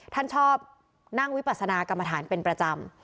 ท่านชอบนั่งวิปัสนากรรมฐานเป็นประจำ